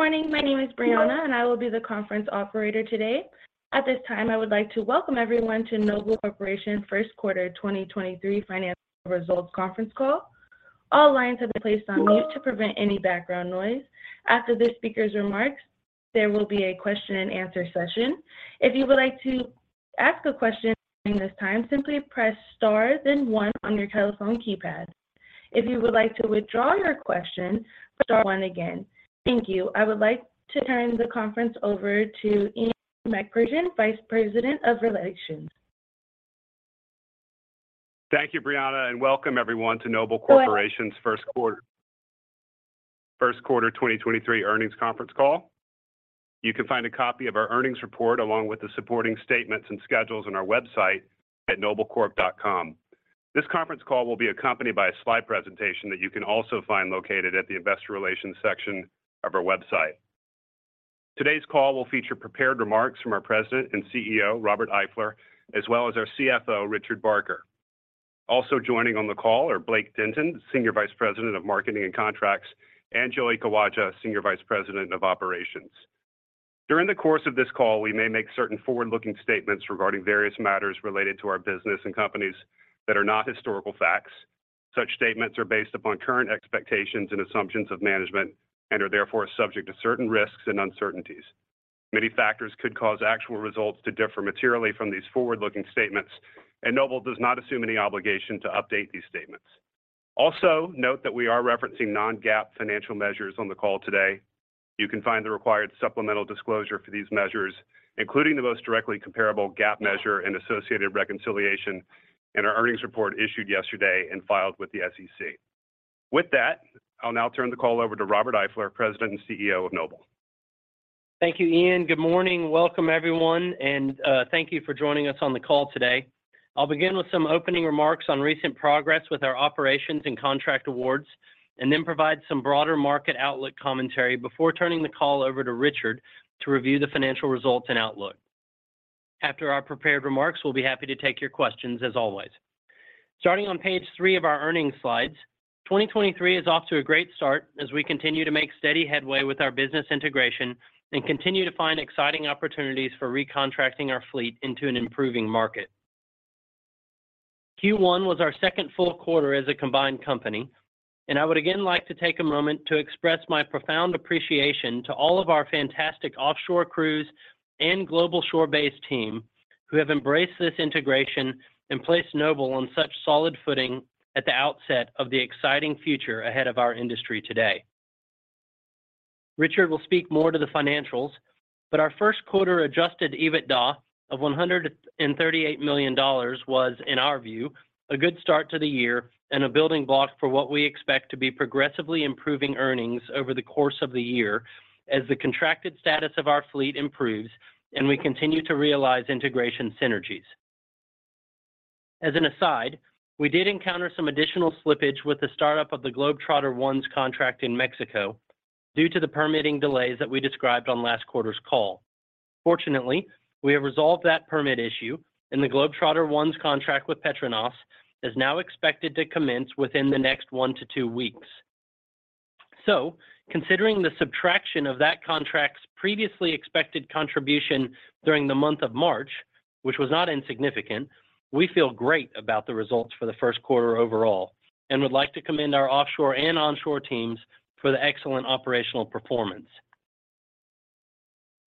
Good morning. My name is Brianna. I will be the conference operator today. At this time, I would like to welcome everyone to Noble Corporation First Quarter 2023 Financial Results Conference Call. All lines have been placed on mute to prevent any background noise. After the speaker's remarks, there will be a question-and-answer session. If you would like to ask a question during this time, simply press Star then one on your telephone keypad. If you would like to withdraw your question, star one again. Thank you. I would like to turn the conference over to Ian Macpherson, Vice President of Relations. Thank you, Brianna. Welcome everyone to Noble Corporation's First Quarter 2023 Earnings Conference Call. You can find a copy of our earnings report along with the supporting statements and schedules on our website at noblecorp.com. This conference call will be accompanied by a slide presentation that you can also find located at the investor relations section of our website. Today's call will feature prepared remarks from our President and CEO, Robert Eifler, as well as our CFO, Richard Barker. Also joining on the call are Blake Denton, Senior Vice President of Marketing and Contracts, and Joey Kawaja, Senior Vice President of Operations. During the course of this call, we may make certain forward-looking statements regarding various matters related to our business and companies that are not historical facts. Such statements are based upon current expectations and assumptions of management and are therefore subject to certain risks and uncertainties. Many factors could cause actual results to differ materially from these forward-looking statements. Noble does not assume any obligation to update these statements. Also, note that we are referencing non-GAAP financial measures on the call today. You can find the required supplemental disclosure for these measures, including the most directly comparable GAAP measure and associated reconciliation in our earnings report issued yesterday and filed with the SEC. With that, I'll now turn the call over to Robert Eifler, President and CEO of Noble. Thank you, Ian. Good morning. Welcome, everyone, and thank you for joining us on the call today. I'll begin with some opening remarks on recent progress with our operations and contract awards and then provide some broader market outlook commentary before turning the call over to Richard to review the financial results and outlook. After our prepared remarks, we'll be happy to take your questions as always. Starting on page 3 of our earnings slides, 2023 is off to a great start as we continue to make steady headway with our business integration and continue to find exciting opportunities for recontracting our fleet into an improving market. Q1 was our second full quarter as a combined company. I would again like to take a moment to express my profound appreciation to all of our fantastic offshore crews and global shore-based team who have embraced this integration and placed Noble on such solid footing at the outset of the exciting future ahead of our industry today. Richard will speak more to the financials. Our first quarter adjusted EBITDA of $138 million was, in our view, a good start to the year and a building block for what we expect to be progressively improving earnings over the course of the year as the contracted status of our fleet improves and we continue to realize integration synergies. As an aside, we did encounter some additional slippage with the startup of the Noble Globetrotter I's contract in Mexico due to the permitting delays that we described on last quarter's call. Fortunately, we have resolved that permit issue. The Noble Globetrotter I's contract with PETRONAS is now expected to commence within the next 1 to 2 weeks. Considering the subtraction of that contract's previously expected contribution during the month of March, which was not insignificant, we feel great about the results for the first quarter overall and would like to commend our offshore and onshore teams for the excellent operational performance.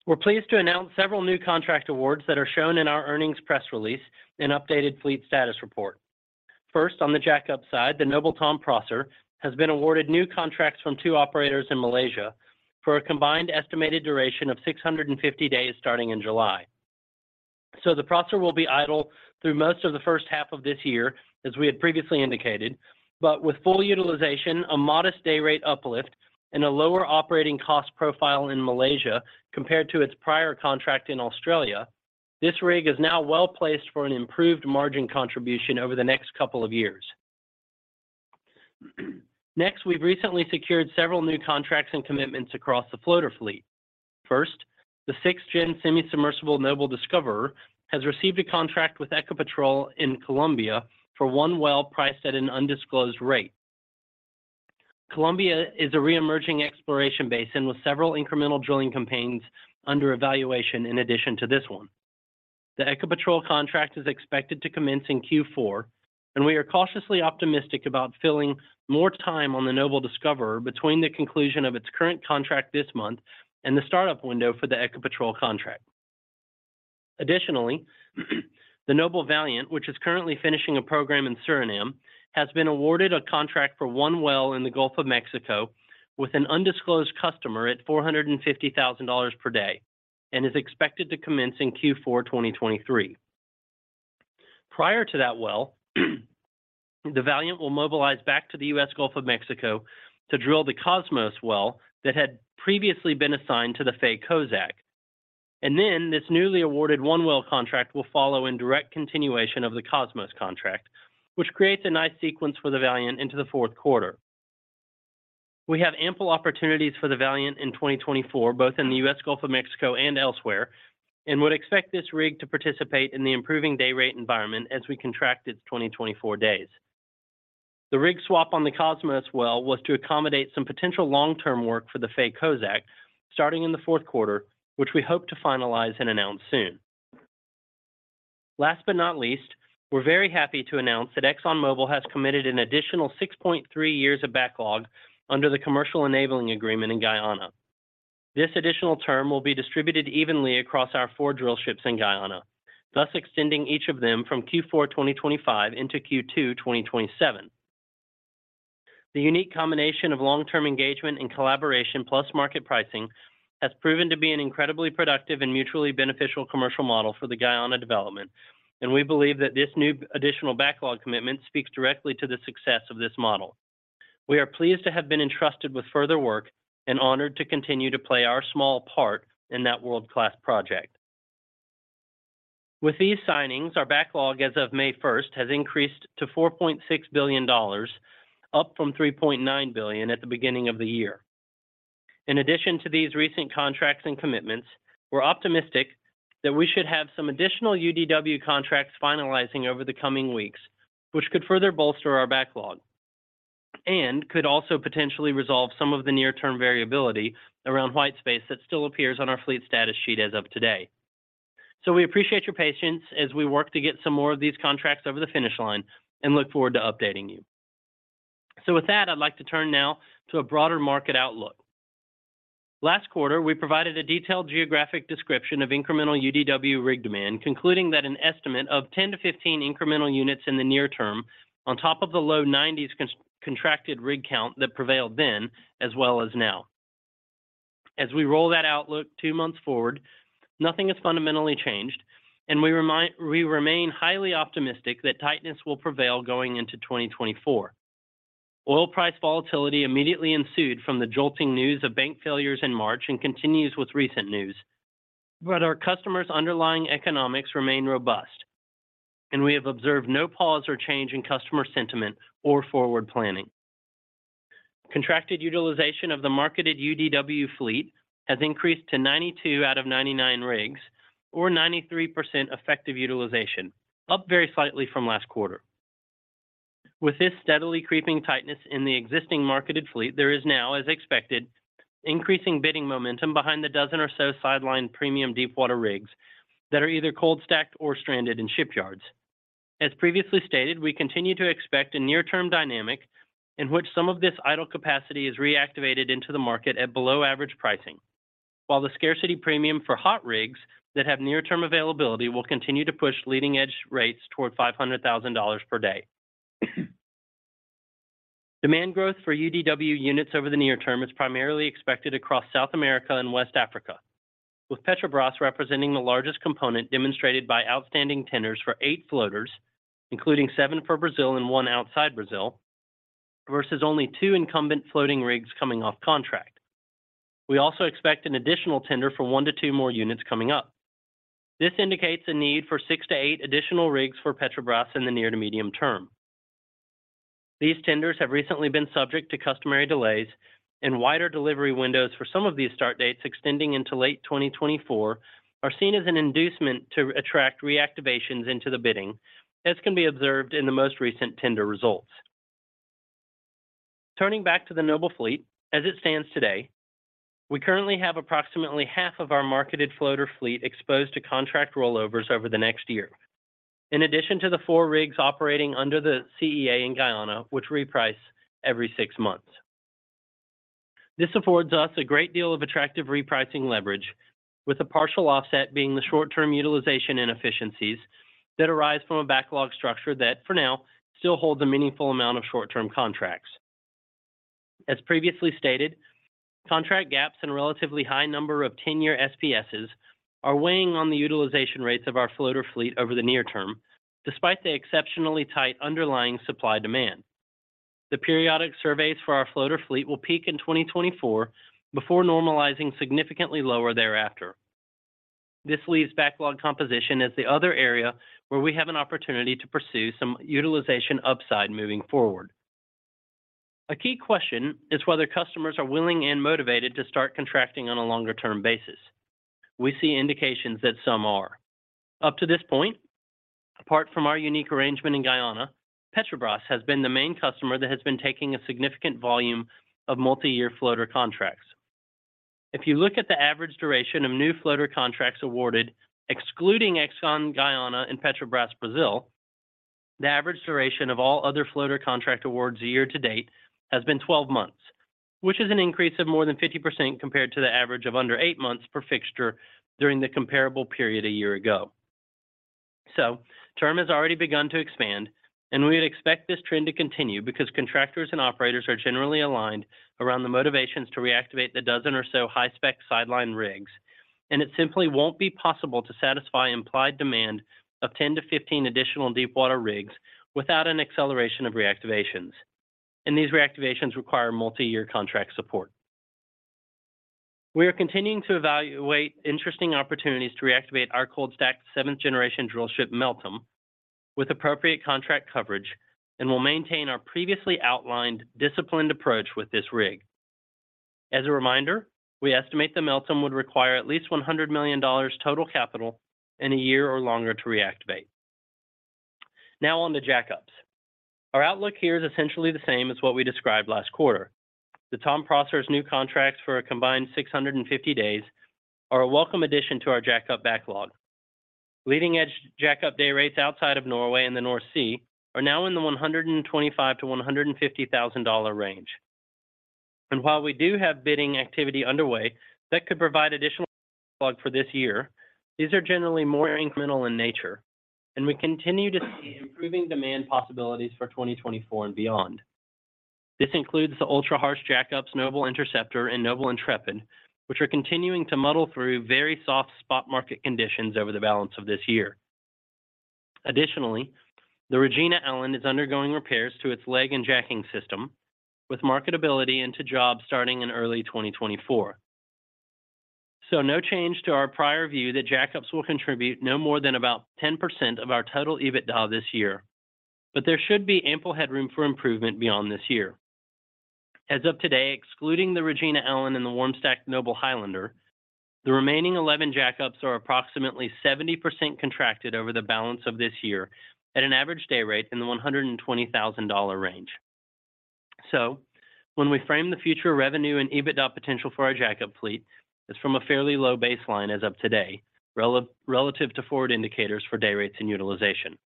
We're pleased to announce several new contract awards that are shown in our earnings press release and updated fleet status report. On the jackup side, the Noble Tom Prosser has been awarded new contracts from 2 operators in Malaysia for a combined estimated duration of 650 days starting in July. The Prosser will be idle through most of the first half of this year, as we had previously indicated. With full utilization, a modest day rate uplift, and a lower operating cost profile in Malaysia compared to its prior contract in Australia, this rig is now well-placed for an improved margin contribution over the next couple of years. We've recently secured several new contracts and commitments across the floater fleet. The 6th-gen semi-submersible Noble Discoverer has received a contract with Ecopetrol in Colombia for 1 well priced at an undisclosed rate. Colombia is a re-emerging exploration basin with several incremental drilling campaigns under evaluation in addition to this 1. The Ecopetrol contract is expected to commence in Q4, and we are cautiously optimistic about filling more time on the Noble Discoverer between the conclusion of its current contract this month and the startup window for the Ecopetrol contract. Additionally, the Noble Valiant, which is currently finishing a program in Suriname, has been awarded a contract for one well in the Gulf of Mexico with an undisclosed customer at $450,000 per day and is expected to commence in Q4 2023. Prior to that well, the Valiant will mobilize back to the U.S. Gulf of Mexico to drill the Cosmos well that had previously been assigned to the Faye Kozack. This newly awarded one well contract will follow in direct continuation of the Cosmos contract, which creates a nice sequence for the Valiant into the fourth quarter. We have ample opportunities for the Valiant in 2024, both in the U.S. Gulf of Mexico and elsewhere, would expect this rig to participate in the improving day rate environment as we contract its 2024 days. The rig swap on the Cosmo as well was to accommodate some potential long-term work for the Faye Kozack starting in the fourth quarter, which we hope to finalize and announce soon. Last but not least, we're very happy to announce that ExxonMobil has committed an additional 6.3 years of backlog under the commercial enabling agreement in Guyana. This additional term will be distributed evenly across our four drillships in Guyana, thus extending each of them from Q4 2025 into Q2 2027. The unique combination of long-term engagement and collaboration plus market pricing has proven to be an incredibly productive and mutually beneficial commercial model for the Guyana development. We believe that this new additional backlog commitment speaks directly to the success of this model. We are pleased to have been entrusted with further work and honored to continue to play our small part in that world-class project. With these signings, our backlog as of May 1st has increased to $4.6 billion, up from $3.9 billion at the beginning of the year. In addition to these recent contracts and commitments, we're optimistic that we should have some additional UDW contracts finalizing over the coming weeks, which could further bolster our backlog and could also potentially resolve some of the near-term variability around white space that still appears on our fleet status sheet as of today. We appreciate your patience as we work to get some more of these contracts over the finish line and look forward to updating you. With that, I'd like to turn now to a broader market outlook. Last quarter, we provided a detailed geographic description of incremental UDW rig demand, concluding that an estimate of 10-15 incremental units in the near term on top of the low 90s con-contracted rig count that prevailed then as well as now. As we roll that outlook 2 months forward, nothing has fundamentally changed, and we remain highly optimistic that tightness will prevail going into 2024. Oil price volatility immediately ensued from the jolting news of bank failures in March and continues with recent news. Our customers' underlying economics remain robust, and we have observed no pause or change in customer sentiment or forward planning. Contracted utilization of the marketed UDW fleet has increased to 92 out of 99 rigs or 93% effective utilization, up very slightly from last quarter. With this steadily creeping tightness in the existing marketed fleet, there is now, as expected, increasing bidding momentum behind the 12 or so sidelined premium deepwater rigs that are either cold stacked or stranded in shipyards. As previously stated, we continue to expect a near-term dynamic in which some of this idle capacity is reactivated into the market at below-average pricing. While the scarcity premium for hot rigs that have near-term availability will continue to push leading-edge rates toward $500,000 per day. Demand growth for UDW units over the near term is primarily expected across South America and West Africa, with Petrobras representing the largest component demonstrated by outstanding tenders for 8 floaters, including 7 for Brazil and 1 outside Brazil, versus only 2 incumbent floating rigs coming off contract. We also expect an additional tender for 1-2 more units coming up. This indicates a need for 6-8 additional rigs for Petrobras in the near to medium term. These tenders have recently been subject to customary delays and wider delivery windows for some of these start dates extending into late 2024 are seen as an inducement to attract reactivations into the bidding, as can be observed in the most recent tender results. Turning back to the Noble fleet, as it stands today, we currently have approximately half of our marketed floater fleet exposed to contract rollovers over the next year, in addition to the 4 rigs operating under the CEA in Guyana, which reprice every 6 months. This affords us a great deal of attractive repricing leverage, with a partial offset being the short-term utilization inefficiencies that arise from a backlog structure that, for now, still holds a meaningful amount of short-term contracts. As previously stated, contract gaps and a relatively high number of 10-year SPSs are weighing on the utilization rates of our floater fleet over the near term, despite the exceptionally tight underlying supply-demand. The periodic surveys for our floater fleet will peak in 2024 before normalizing significantly lower thereafter. This leaves backlog composition as the other area where we have an opportunity to pursue some utilization upside moving forward. A key question is whether customers are willing and motivated to start contracting on a longer-term basis. We see indications that some are. Up to this point, apart from our unique arrangement in Guyana, Petrobras has been the main customer that has been taking a significant volume of multi-year floater contracts. If you look at the average duration of new floater contracts awarded, excluding Exxon Guyana and Petrobras Brazil, the average duration of all other floater contract awards year to date has been 12 months, which is an increase of more than 50% compared to the average of under eight months per fixture during the comparable period a year ago. Term has already begun to expand, and we would expect this trend to continue because contractors and operators are generally aligned around the motivations to reactivate the 12 or so high-spec sideline rigs, and it simply won't be possible to satisfy implied demand of 10-15 additional deepwater rigs without an acceleration of reactivations. These reactivations require multi-year contract support. We are continuing to evaluate interesting opportunities to reactivate our cold-stacked seventh-generation drillship, Pacific Meltem, with appropriate contract coverage and will maintain our previously outlined disciplined approach with this rig. As a reminder, we estimate the Pacific Meltem would require at least $100 million total capital and 1 year or longer to reactivate. Now on the jack-ups. Our outlook here is essentially the same as what we described last quarter. The Noble Tom Prosser's new contracts for a combined 650 days are a welcome addition to our jack-up backlog. Leading edge jack-up day rates outside of Norway and the North Sea are now in the $125,000-$150,000 range. While we do have bidding activity underway that could provide additional plug for this year, these are generally more incremental in nature, and we continue to see improving demand possibilities for 2024 and beyond. This includes the ultra-harsh jack-ups, Noble Interceptor and Noble Intrepid, which are continuing to muddle through very soft spot market conditions over the balance of this year. Additionally, the Noble Regina Allen is undergoing repairs to its leg and jacking system, with marketability into jobs starting in early 2024. No change to our prior view that jack-ups will contribute no more than about 10% of our total EBITDA this year. There should be ample headroom for improvement beyond this year. As of today, excluding the Regina Allen and the warm-stacked Noble Highlander, the remaining 11 jack-ups are approximately 70% contracted over the balance of this year at an average day rate in the $120,000 range. When we frame the future revenue and EBITDA potential for our jack-up fleet, it's from a fairly low baseline as of today, relative to forward indicators for day rates and utilization.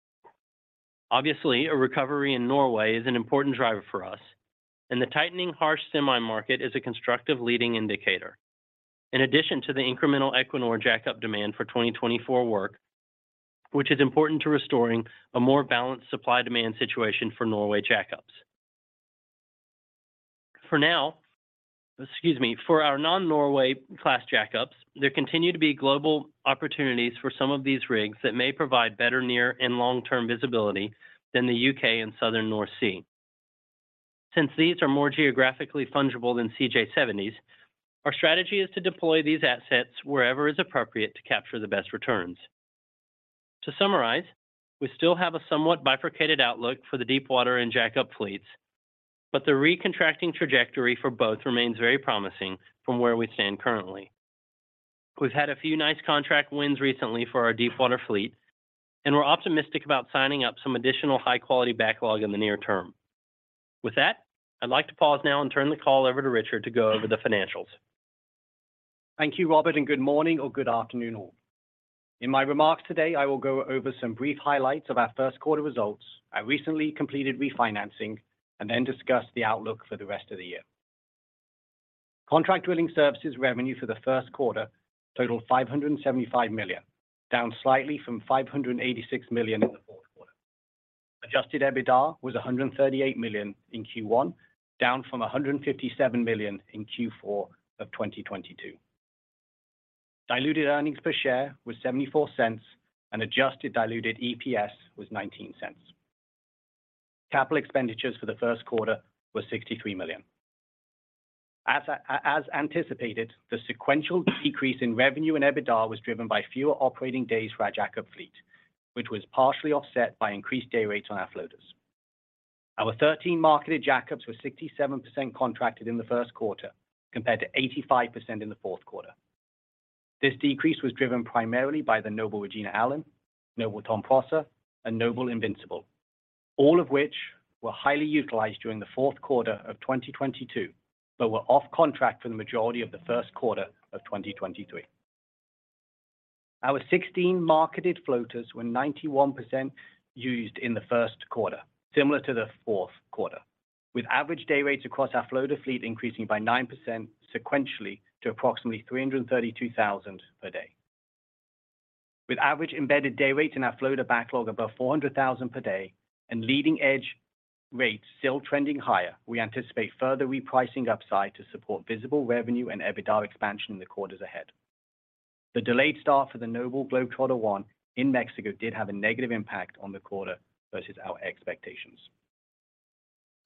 Obviously, a recovery in Norway is an important driver for us, and the tightening harsh semi market is a constructive leading indicator. In addition to the incremental Equinor jack-up demand for 2024 work, which is important to restoring a more balanced supply-demand situation for Norway jack-ups. For now, excuse me. For our non-Norway class jack-ups, there continue to be global opportunities for some of these rigs that may provide better near and long-term visibility than the UK and Southern North Sea. Since these are more geographically fungible than CJ70s, our strategy is to deploy these assets wherever is appropriate to capture the best returns. To summarize, we still have a somewhat bifurcated outlook for the deepwater and jack-up fleets. The recontracting trajectory for both remains very promising from where we stand currently. We've had a few nice contract wins recently for our deepwater fleet. We're optimistic about signing up some additional high-quality backlog in the near term. With that, I'd like to pause now and turn the call over to Richard to go over the financials. Thank you, Robert. Good morning or good afternoon all. In my remarks today, I will go over some brief highlights of our first quarter results. I recently completed refinancing and then discussed the outlook for the rest of the year. Contract drilling services revenue for the first quarter totaled $575 million, down slightly from $586 million in the fourth quarter. Adjusted EBITDA was $138 million in Q1, down from $157 million in Q4 of 2022. Diluted earnings per share was $0.74 and adjusted diluted EPS was $0.19. Capital expenditures for the first quarter were $63 million. As anticipated, the sequential decrease in revenue and EBITDA was driven by fewer operating days for our jack-up fleet, which was partially offset by increased day rates on our floaters. Our 13 marketed jack-ups were 67% contracted in the first quarter, compared to 85% in the fourth quarter. This decrease was driven primarily by the Noble Regina Allen, Noble Tom Prosser, and Noble Invincible, all of which were highly utilized during the fourth quarter of 2022, but were off contract for the majority of the first quarter of 2023. Our 16 marketed floaters were 91% used in the first quarter, similar to the fourth quarter, with average day rates across our floater fleet increasing by 9% sequentially to approximately $332,000 per day. With average embedded day rates in our floater backlog above $400,000 per day and leading edge rates still trending higher, we anticipate further repricing upside to support visible revenue and EBITDA expansion in the quarters ahead. The delayed start for the Noble Globetrotter I in Mexico did have a negative impact on the quarter versus our expectations.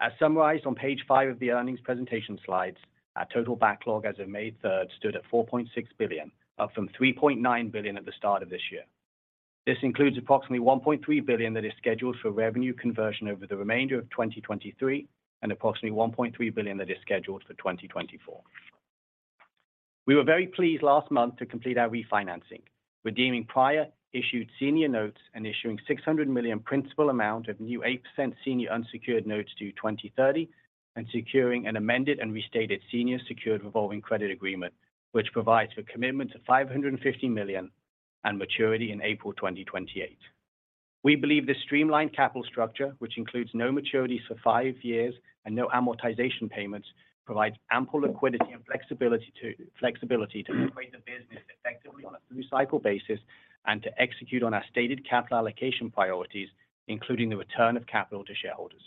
As summarized on page 5 of the earnings presentation slides, our total backlog as of May 3rd stood at $4.6 billion, up from $3.9 billion at the start of this year. This includes approximately $1.3 billion that is scheduled for revenue conversion over the remainder of 2023 and approximately $1.3 billion that is scheduled for 2024. We were very pleased last month to complete our refinancing, redeeming prior issued senior notes and issuing $600 million principal amount of new 8% senior unsecured notes due 2030 and securing an amended and restated senior secured revolving credit agreement, which provides for a commitment to $550 million and maturity in April 2028. We believe this streamlined capital structure, which includes no maturities for 5 years and no amortization payments, provides ample liquidity and flexibility to operate the business effectively on a through-cycle basis and to execute on our stated capital allocation priorities, including the return of capital to shareholders.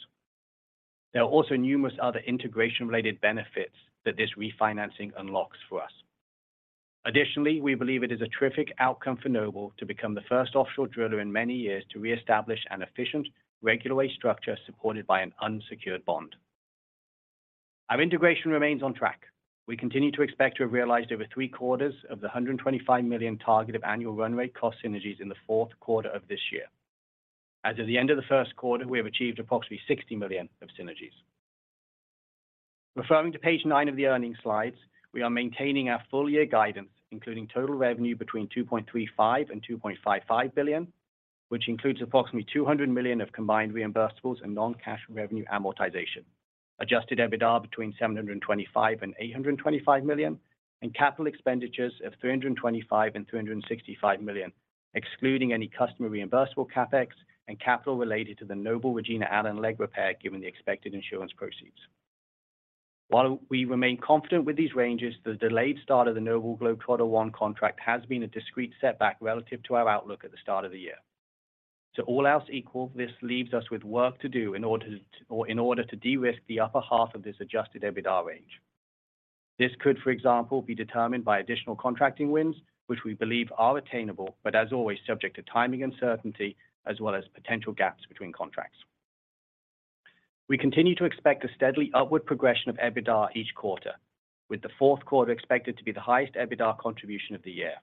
There are also numerous other integration-related benefits that this refinancing unlocks for us. Additionally, we believe it is a terrific outcome for Noble to become the first offshore driller in many years to reestablish an efficient regulatory structure supported by an unsecured bond. Our integration remains on track. We continue to expect to have realized over three-quarters of the $125 million target of annual run rate cost synergies in the fourth quarter of this year. As of the end of the first quarter, we have achieved approximately $60 million of synergies. Referring to page 9 of the earnings slides, we are maintaining our full-year guidance, including total revenue between $2.35 billion and $2.55 billion, which includes approximately $200 million of combined reimbursables and non-cash revenue amortization. Adjusted EBITDA between $725 million and $825 million, and capital expenditures of $325 million and $365 million, excluding any customer reimbursable CapEx and capital related to the Noble Regina Allen leg repair, given the expected insurance proceeds. While we remain confident with these ranges, the delayed start of the Noble Globetrotter I contract has been a discrete setback relative to our outlook at the start of the year. To all else equal, this leaves us with work to do in order to de-risk the upper half of this adjusted EBITDA range. This could, for example, be determined by additional contracting wins, which we believe are attainable, but as always, subject to timing uncertainty as well as potential gaps between contracts. We continue to expect a steadily upward progression of EBITDA each quarter, with the fourth quarter expected to be the highest EBITDA contribution of the year.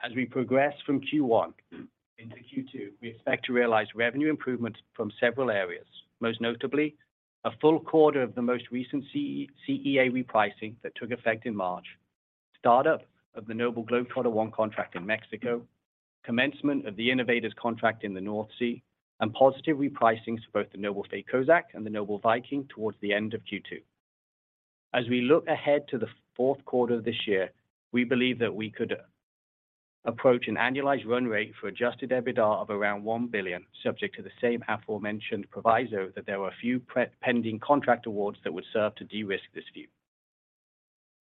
As we progress from Q1 into Q2, we expect to realize revenue improvements from several areas, most notably a full quarter of the most recent CE-CEA repricing that took effect in March, startup of the Noble Globetrotter I contract in Mexico, commencement of the Innovator's contract in the North Sea, and positive repricings for both the Noble Faye Kozack and the Noble Viking towards the end of Q2. As we look ahead to the fourth quarter of this year, we believe that we could approach an annualized run rate for adjusted EBITDA of around $1 billion, subject to the same aforementioned proviso that there were a few pre-pending contract awards that would serve to de-risk this view.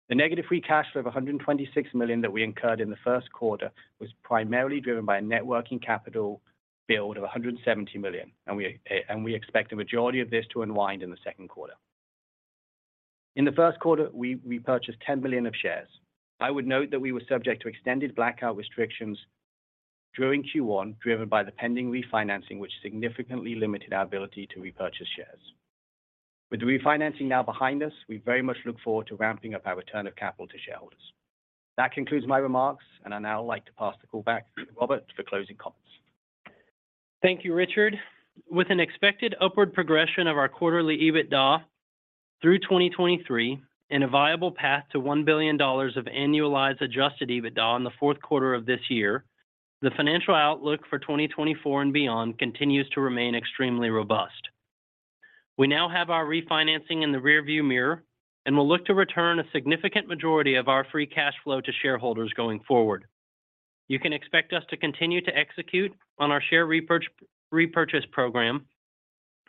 The negative free cash flow of $126 million that we incurred in the first quarter was primarily driven by a net working capital build of $170 million. We expect the majority of this to unwind in the second quarter. In the first quarter, we purchased $10 million of shares. I would note that we were subject to extended blackout restrictions during Q1 driven by the pending refinancing, which significantly limited our ability to repurchase shares. With the refinancing now behind us, we very much look forward to ramping up our return of capital to shareholders. That concludes my remarks. I'd now like to pass the call back to Robert for closing comments. Thank you, Richard. With an expected upward progression of our quarterly EBITDA through 2023 and a viable path to $1 billion of annualized adjusted EBITDA in the fourth quarter of this year, the financial outlook for 2024 and beyond continues to remain extremely robust. We now have our refinancing in the rearview mirror, we'll look to return a significant majority of our free cash flow to shareholders going forward. You can expect us to continue to execute on our share repurchase program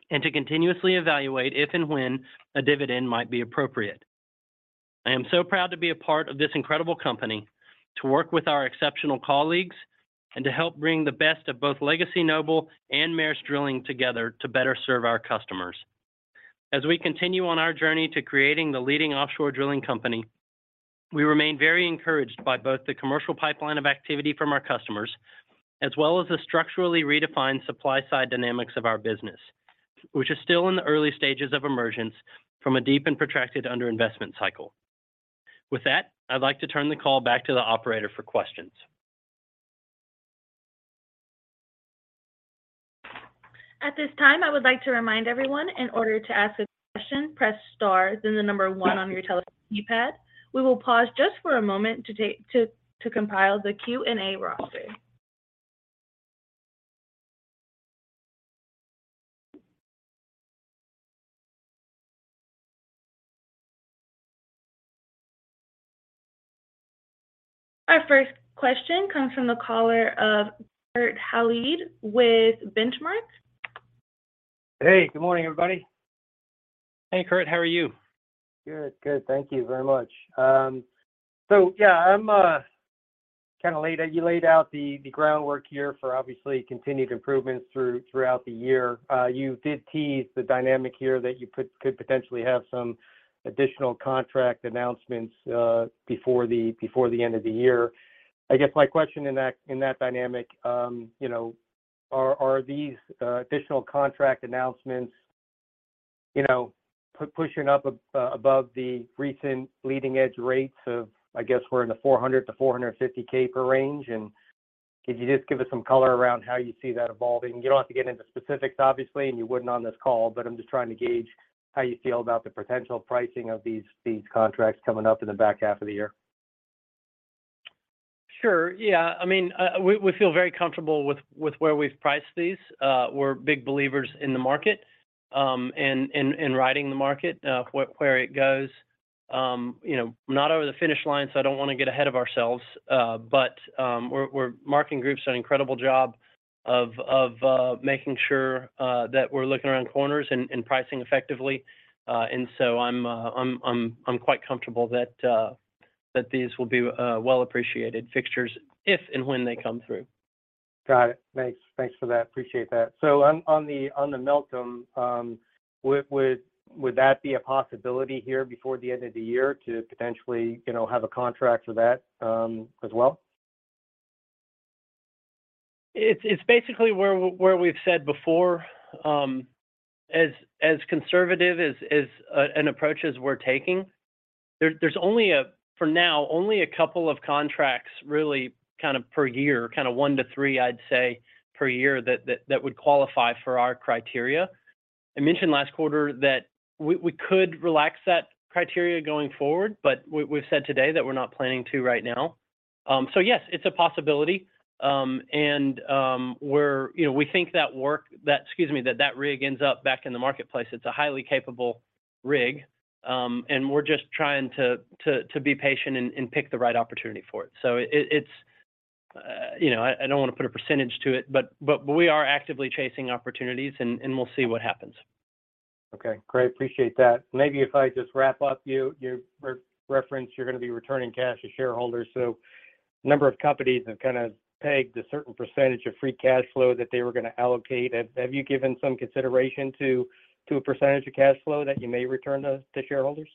and to continuously evaluate if and when a dividend might be appropriate. I am so proud to be a part of this incredible company, to work with our exceptional colleagues, and to help bring the best of both Noble Corporation and Maersk Drilling together to better serve our customers. As we continue on our journey to creating the leading offshore drilling company, we remain very encouraged by both the commercial pipeline of activity from our customers, as well as the structurally redefined supply-side dynamics of our business, which is still in the early stages of emergence from a deep and protracted underinvestment cycle. With that, I'd like to turn the call back to the operator for questions. At this time, I would like to remind everyone in order to ask a question, press star then 1 on your telephone keypad. We will pause just for a moment to take, to compile the Q&A roster. Our first question comes from the caller of Kurt Hallead with Benchmark. Hey, good morning, everybody. Hey, Kurt, how are you? Good. Good. Thank you very much. I'm kinda late. You laid out the groundwork here for obviously continued improvements throughout the year. You did tease the dynamic here that you could potentially have some additional contract announcements before the end of the year. I guess my question in that, in that dynamic, you know, are these additional contract announcements, you know, pushing up above the recent leading edge rates of, I guess we're in the $400-$450 CapEx range? Could you just give us some color around how you see that evolving? You don't have to get into specifics, obviously, and you wouldn't on this call, but I'm just trying to gauge how you feel about the potential pricing of these contracts coming up in the back half of the year. Sure. Yeah. I mean, we feel very comfortable with where we've priced these. We're big believers in the market and riding the market where it goes. You know, not over the finish line, so I don't wanna get ahead of ourselves. We're marketing groups an incredible job of making sure that we're looking around corners and pricing effectively. I'm quite comfortable that these will be well-appreciated fixtures if and when they come through. Got it. Thanks. Thanks for that. Appreciate that. On the Pacific Meltem, would that be a possibility here before the end of the year to potentially, you know, have a contract for that, as well? It's basically where we've said before, as conservative as an approach as we're taking. There's only for now, only a couple of contracts really kind of per year, kind of 1 to 3, I'd say, per year that would qualify for our criteria. I mentioned last quarter that we could relax that criteria going forward, but we've said today that we're not planning to right now. Yes, it's a possibility. You know, we think that work excuse me, that rig ends up back in the marketplace. It's a highly capable rig, and we're just trying to be patient and pick the right opportunity for it. It's you know. I don't wanna put a percentage to it, but we are actively chasing opportunities and we'll see what happens. Okay. Great. Appreciate that. Maybe if I just wrap up, you re-referenced you're gonna be returning cash to shareholders. A number of companies have kinda pegged a certain percentage of free cash flow that they were gonna allocate. Have you given some consideration to a percentage of cash flow that you may return to shareholders?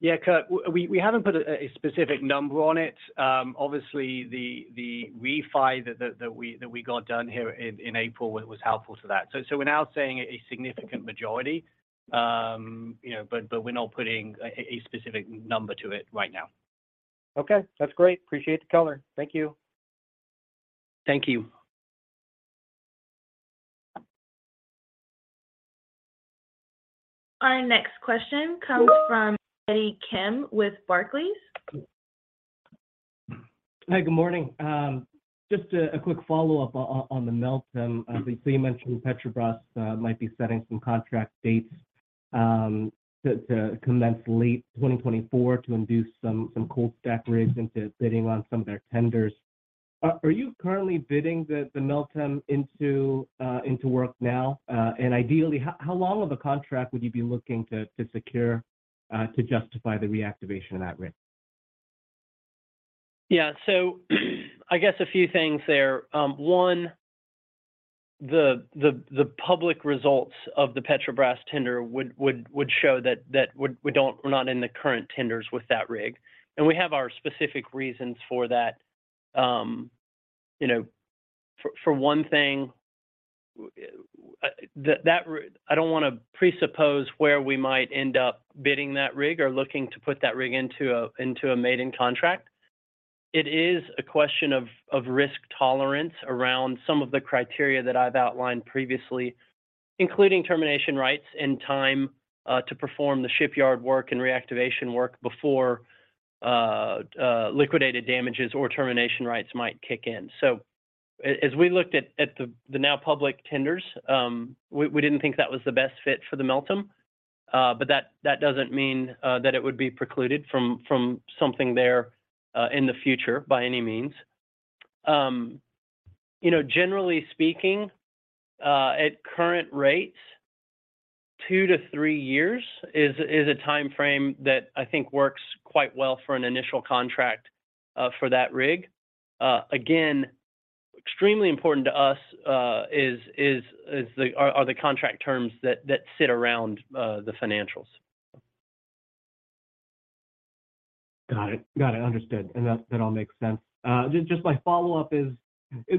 Yeah, Kurt. We haven't put a specific number on it. Obviously the refi that we got done here in April was helpful to that. We're now saying a significant majority, you know, but we're not putting a specific number to it right now. Okay. That's great. Appreciate the color. Thank you. Thank you. Our next question comes from Eddie Kim with Barclays. Hi. Good morning. Just a quick follow-up on the Meltem. Obviously, you mentioned Petrobras might be setting some contract dates to commence late 2024 to induce some cold stack rigs into bidding on some of their tenders. Are you currently bidding the Meltem into work now? Ideally, how long of a contract would you be looking to secure to justify the reactivation of that rig? Yeah. I guess a few things there. One, the public results of the Petrobras tender would show that we're not in the current tenders with that rig, and we have our specific reasons for that. You know, for one thing, that I don't wanna presuppose where we might end up bidding that rig or looking to put that rig into a maiden contract. It is a question of risk tolerance around some of the criteria that I've outlined previously, including termination rights and time to perform the shipyard work and reactivation work before liquidated damages or termination rights might kick in. As we looked at the now public tenders, we didn't think that was the best fit for the Meltem, but that doesn't mean that it would be precluded from something there in the future by any means. You know, generally speaking, at current rates, 2-3 years is a timeframe that I think works quite well for an initial contract for that rig. Again, extremely important to us, are the contract terms that sit around the financials. Got it. Got it. Understood, that all makes sense. Just my follow-up is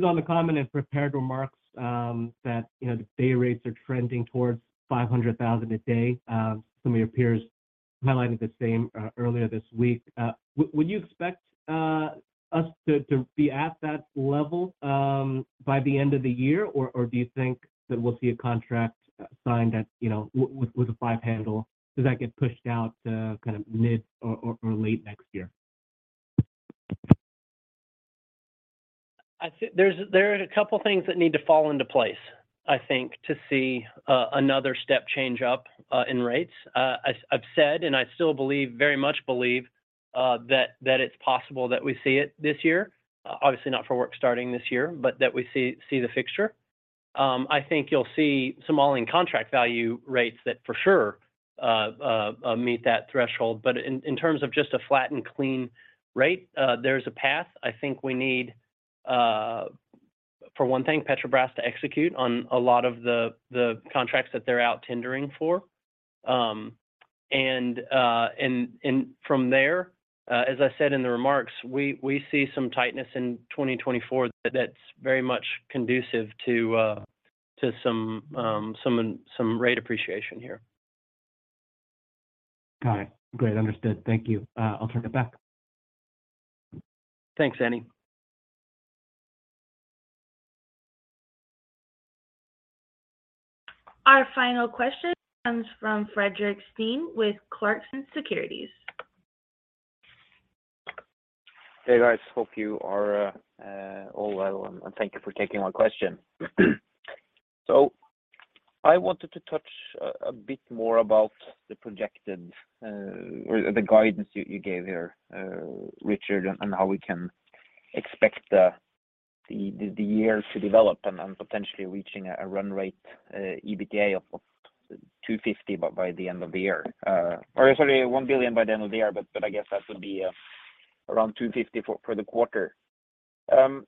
on the comment in prepared remarks, that, you know, the day rates are trending towards $500,000 a day. Some of your peers highlighted the same earlier this week. Would you expect us to be at that level by the end of the year? Do you think that we'll see a contract signed at, you know, with a five handle? Does that get pushed out to kind of mid or late next year? There's a couple things that need to fall into place, I think, to see another step change up in rates. As I've said, and I still believe, very much believe that it's possible that we see it this year, obviously not for work starting this year, but that we see the fixture. I think you'll see some all-in contract value rates that for sure meet that threshold. In terms of just a flat and clean rate, there's a path. I think we need for one thing, Petrobras to execute on a lot of the contracts that they're out tendering for. From there, as I said in the remarks, we see some tightness in 2024 that's very much conducive to some rate appreciation here. Got it. Great. Understood. Thank you. I'll turn it back. Thanks, Eddie. Our final question comes from Fredrik Stene with Clarksons Securities. Hey, guys. Hope you are all well, and thank you for taking my question. I wanted to touch a bit more about the projected or the guidance you gave here, Richard, and how we can expect the year to develop and potentially reaching a run rate EBITDA of $250 by the end of the year, or sorry, $1 billion by the end of the year, but I guess that would be around $250 for the quarter.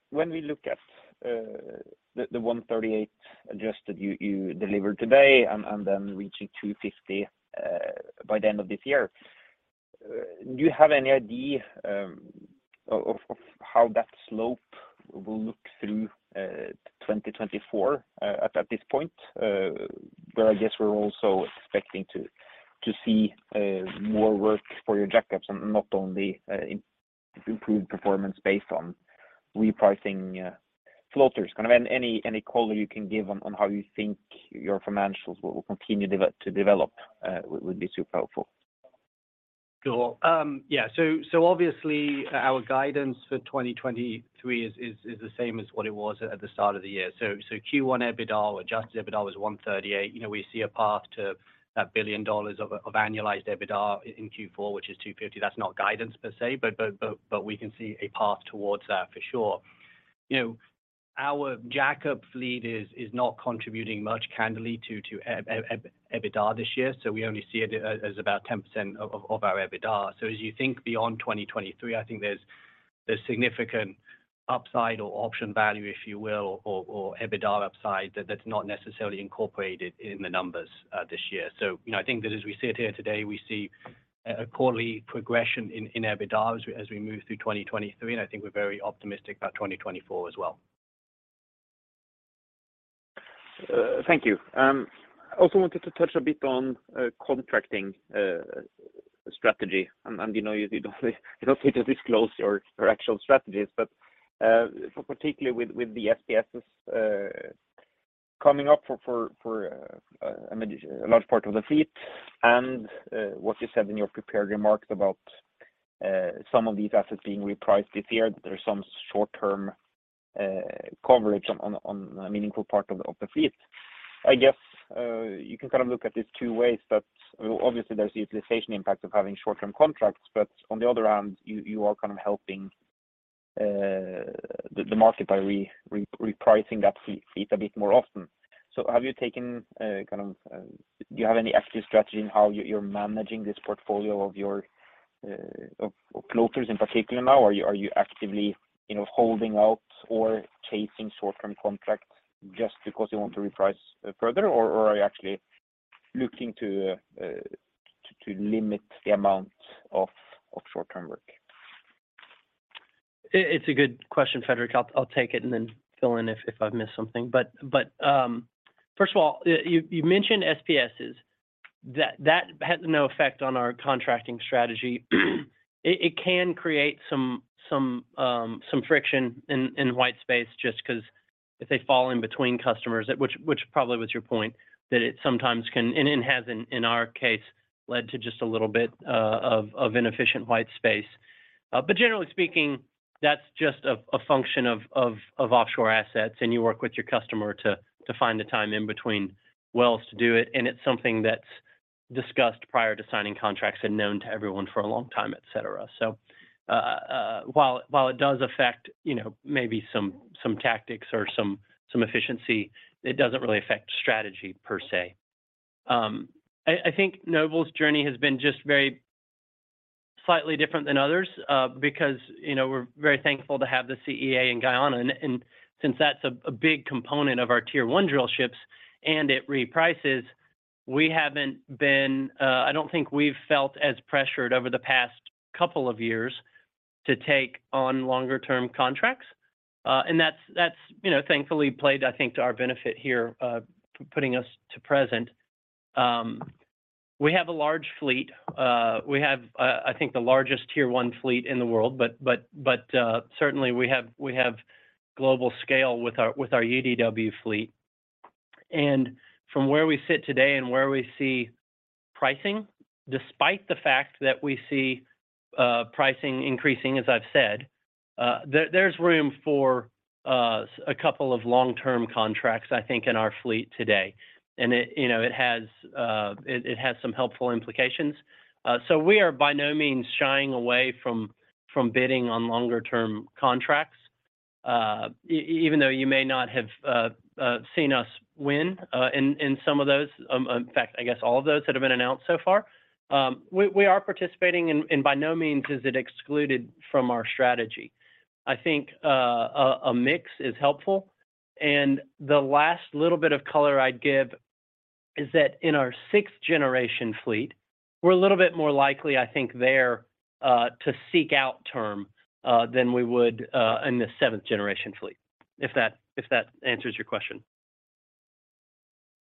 When we look at the $138 adjusted you delivered today and then reaching $250 by the end of this year, do you have any idea of how that slope will look through 2024 at this point? Where I guess we're also expecting to see more work for your jackups and not only improved performance based on repricing floaters. Kind of any color you can give on how you think your financials will continue to develop, would be super helpful. Sure. Yeah. Obviously our guidance for 2023 is the same as what it was at the start of the year. Q1 EBITDA or adjusted EBITDA was $138 million. You know, we see a path to that $1 billion of annualized EBITDA in Q4, which is $250 million. That's not guidance per se, but we can see a path towards that for sure. You know, our jackup fleet is not contributing much candidly to EBITDA this year. We only see it as about 10% of our EBITDA. As you think beyond 2023, I think there's significant upside or option value, if you will, or EBITDA upside that's not necessarily incorporated in the numbers this year. You know, I think that as we sit here today, we see a quarterly progression in EBITDA as we move through 2023, and I think we're very optimistic about 2024 as well. Thank you. I also wanted to touch a bit on contracting strategy and, you know, you don't need to disclose your actual strategies. For particularly with the SPS's coming up for I mean, a large part of the fleet and what you said in your prepared remarks about some of these assets being repriced this year, there's some short-term coverage on a meaningful part of the fleet. I guess you can kind of look at this two ways, but obviously there's the utilization impact of having short-term contracts, but on the other hand, you are kind of helping the market by repricing that fleet a bit more often. Have you taken kind of... Do you have any active strategy in how you're managing this portfolio of your of floaters in particular now? Are you actively, you know, holding out or chasing short-term contracts just because you want to reprice further? Are you actually looking to limit the amount of short-term work? It's a good question, Fredrik. I'll take it and then fill in if I've missed something. But, first of all, you mentioned SPSs. That has no effect on our contracting strategy. It can create some friction in white space just because if they fall in between customers, which probably was your point, that it sometimes can and has in our case, led to just a little bit of inefficient white space. But generally speaking, that's just a function of offshore assets, and you work with your customer to find the time in between wells to do it. It's something that's discussed prior to signing contracts and known to everyone for a long time, et cetera. While it does affect, you know, maybe some tactics or some efficiency, it doesn't really affect strategy per se. I think Noble's journey has been just very slightly different than others, because, you know, we're very thankful to have the CEA in Guyana. Since that's a big component of our tier one drill ships and it reprices, we haven't been, I don't think we've felt as pressured over the past couple of years to take on longer term contracts. That's, you know, thankfully played, I think, to our benefit here, putting us to present. We have a large fleet. We have, I think the largest tier one fleet in the world. Certainly we have, we have global scale with our, with our UDW fleet. From where we sit today and where we see pricing, despite the fact that we see pricing increasing, as I've said, there's room for a couple of long-term contracts, I think, in our fleet today. It, you know, it has some helpful implications. We are by no means shying away from bidding on longer term contracts. Even though you may not have seen us win in some of those, in fact, I guess all of those that have been announced so far, we are participating and by no means is it excluded from our strategy. I think a mix is helpful. The last little bit of color I'd give is that in our sixth generation fleet, we're a little bit more likely, I think, there, to seek out term, than we would, in the seventh generation fleet, if that answers your question?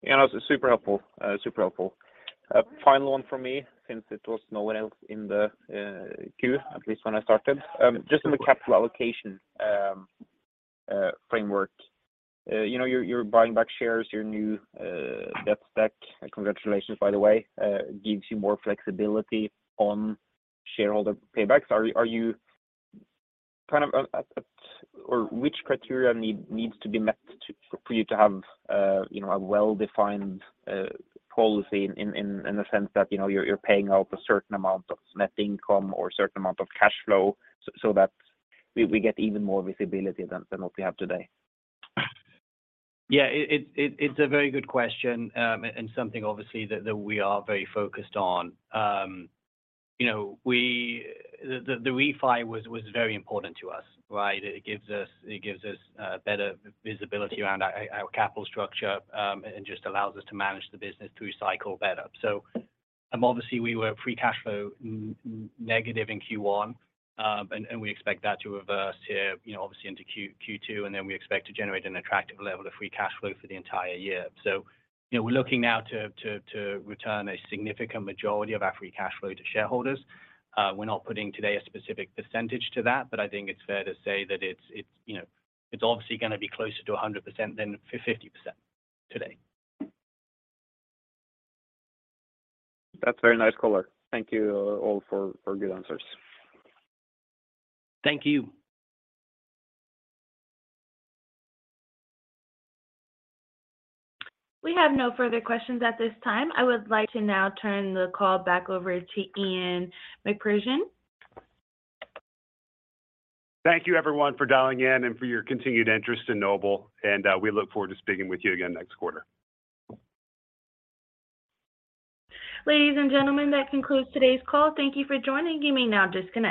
Yeah, that was super helpful. Super helpful. Final one for me since it was no one else in the queue, at least when I started. Just on the capital allocation framework. You know, you're buying back shares, your new debt stack, congratulations by the way, gives you more flexibility on shareholder paybacks. Or which criteria needs to be met for you to have, you know, a well-defined policy in the sense that, you know, you're paying out a certain amount of net income or a certain amount of cash flow so that we get even more visibility than what we have today? Yeah. It's a very good question, and something obviously that we are very focused on. You know, the refi was very important to us, right? It gives us better visibility around our capital structure, just allows us to manage the business through cycle better. Obviously we were free cash flow negative in Q1, and we expect that to reverse here, you know, obviously into Q2, then we expect to generate an attractive level of free cash flow for the entire year. You know, we're looking now to return a significant majority of our free cash flow to shareholders. We're not putting today a specific percentage to that, but I think it's fair to say that it's, you know, it's obviously gonna be closer to 100% than 50% today. That's very nice color. Thank you all for good answers. Thank you. We have no further questions at this time. I would like to now turn the call back over to Ian Macpherson. Thank you everyone for dialing in and for your continued interest in Noble. We look forward to speaking with you again next quarter. Ladies and gentlemen, that concludes today's call. Thank you for joining. You may now disconnect.